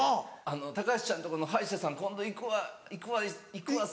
「高橋ちゃんとこの歯医者さん今度行くわさ」。